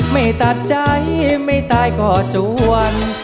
ไม่ตัดใจไม่ตายก็จวน